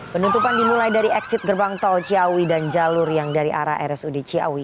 penutupan dimulai dari exit gerbang tol ciawi dan jalur yang dari arah rsud ciawi